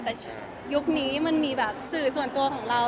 แต่คืนนี้มีเซ๒๐๒๔ส่วนตัวของเรา